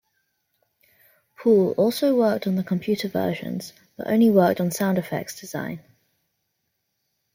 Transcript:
Paul also worked on the computer versions but only worked on sound effects design.